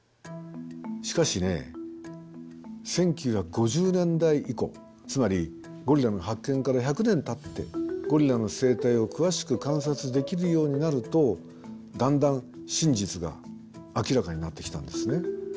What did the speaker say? しかしね１９５０年代以降つまりゴリラの発見から１００年たってゴリラの生態を詳しく観察できるようになるとだんだん真実が明らかになってきたんですね。